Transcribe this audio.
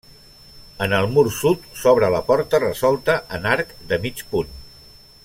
En el mur sud s'obre la porta, resolta en arc de mig punt.